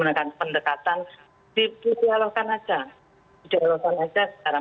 menggunakan pendekatan di dialogkan saja